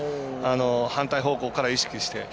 反対方向から意識して。